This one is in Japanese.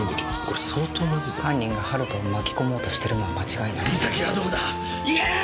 これ相当まずいぞ犯人が温人を巻き込もうとしてるのは間違いない実咲はどこだ言え！